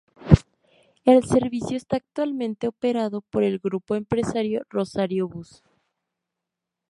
El servicio está actualmente operado por el grupo empresario Rosario Bus.